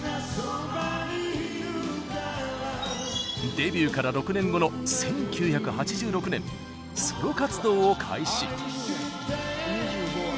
デビューから６年後の１９８６年ソロ活動を開始。